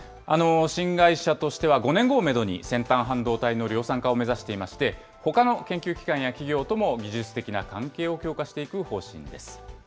新会社としては５年後をメドに、先端半導体の量産化を目指していまして、ほかの研究機関や企業とも技術的な関係を強化していく方針です。